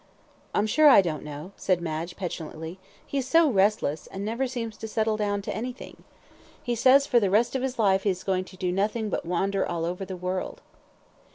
"I'm sure I don't know," said Madge, petulantly; "he is so restless, and never seems to settle down to anything. He says for the rest of his life he is going to do nothing; but wander all over the world."